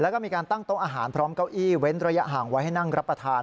แล้วก็มีการตั้งโต๊ะอาหารพร้อมเก้าอี้เว้นระยะห่างไว้ให้นั่งรับประทาน